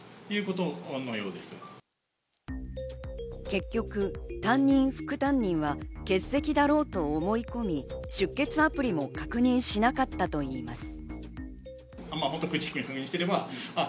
結局、担任、副担任は欠席だろうと思い込み、出欠アプリも確認しなかったといいます。